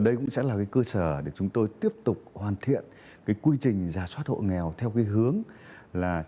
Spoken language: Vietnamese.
đây cũng sẽ là cái cơ sở để chúng tôi tiếp tục hoàn thiện cái quy trình giả soát hộ nghèo theo cái hướng là